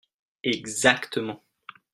Exactement